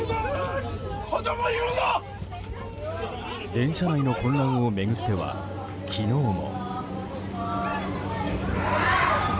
電車内の混乱を巡っては昨日も。